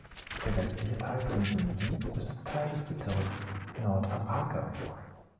Der westlichste Teil von Sinsen ist Teil des Bezirks Nordre Aker.